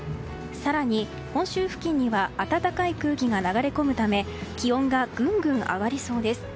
更に本州付近には暖かい空気が流れ込むため気温がぐんぐん上がりそうです。